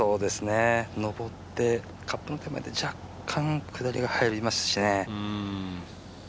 上ってカップの手前で若干下りが入りますしね。